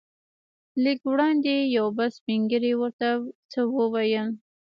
لږ وړاندې یو بل سپین ږیری ورته څه وویل.